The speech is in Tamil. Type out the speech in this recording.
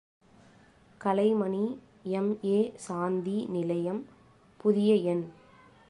கலைமணி எம்.ஏ., சாந்தி நிலையம் புதிய எண்.